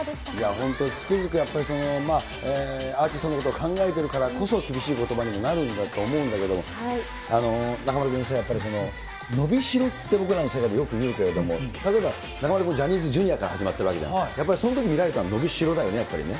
本当、つくづく、アーティストのことを考えているからこそ、厳しいことばにもなるんだと思うんだけれども、中丸君、やっぱり伸びしろって、僕らの世界でよく言うけれども、例えば、中丸君もジャニーズＪｒ．から始めたわけじゃない、やっぱりそのとき見られたのは伸びしろだよね、やっぱり。